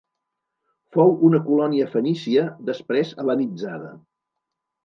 Fou una colònia fenícia després hel·lenitzada.